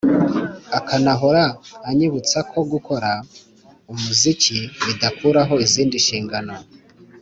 akanahora anyibutsa ko gukora umuziki bidakuraho izindi nshingano